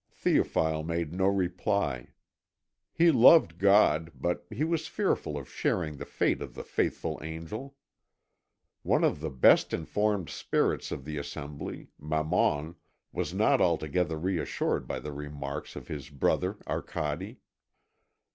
Théophile made no reply. He loved God, but he was fearful of sharing the fate of the faithful angel. One of the best informed Spirits of the assembly, Mammon, was not altogether reassured by the remarks of his brother Arcade.